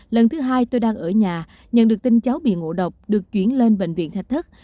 lần thứ hai tôi đang ở nhà nhận được tin cháu bị ngộ độc được chuyển lên bệnh viện thạch thất